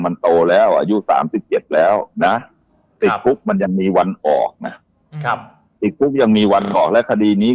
มันโตแล้วอายุ๓๗แล้วมีวันออกยังมีวันออกแล้วคดีนี้